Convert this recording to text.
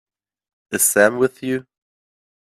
Is Sam with you?